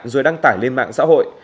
rồi đăng tải lên mạng xã hội